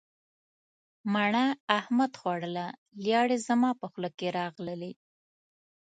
مڼه احمد خوړله لیاړې زما په خوله کې راغللې.